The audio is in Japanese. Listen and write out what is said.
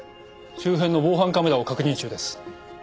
周辺の防犯カメラを確認中です。